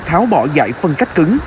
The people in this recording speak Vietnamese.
tháo bỏ giải phân cách cứng